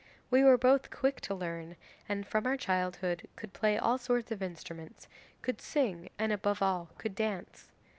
We were both quick to learn, and from our childhood could play all sorts of instruments, could sing, and above all could dance.